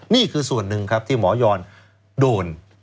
นี่คือส่วนหนึ่งที่หมอยรโดน